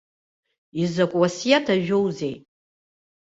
Изакә уасиаҭ ажәоузеи?